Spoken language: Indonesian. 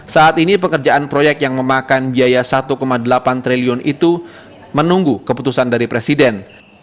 saat ini pekerjaan proyek yang memakan biaya satu delapan triliun itu menunggu keputusan dari presiden